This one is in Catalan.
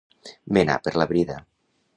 Menar per la brida.